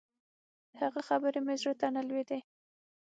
د هغه خبرې مې زړه ته نه لوېدې.